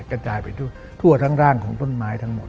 กระจายไปทั่วทั้งร่างของต้นไม้ทั้งหมด